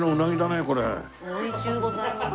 美味しゅうございます。